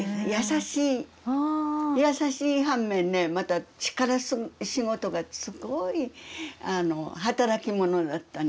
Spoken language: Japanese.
優しい反面ねまた力仕事がすごい働き者だったんですよ。